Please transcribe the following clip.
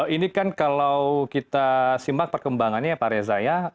ini kan kalau kita simak perkembangannya ya pak reza ya